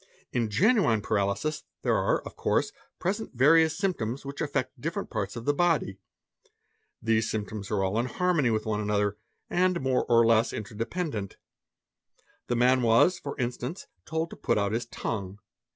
In genuine paralysis there are, of course, present various symptoms which affect different Bats of the body. 'These symptoms are all in harmony with one RES, Me 'a petra _ another, and more or less interdependent. The man was, for instance, et told to put out his tongue.